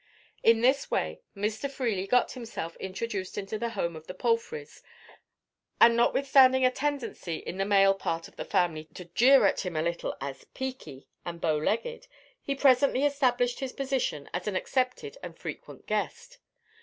In this way, Mr. Freely got himself introduced into the home of the Palfreys, and notwithstanding a tendency in the male part of the family to jeer at him a little as "peaky" and bow legged, he presently established his position as an accepted and frequent guest.